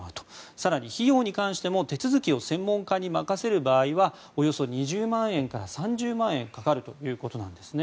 更に、費用に関しても手続きを専門家に任せる場合はおよそ２０万円から３０万円かかるということです。